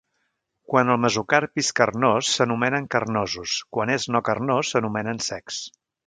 Quan el mesocarpi és carnós, s'anomenen carnosos; quan és no carnós, s'anomenen secs.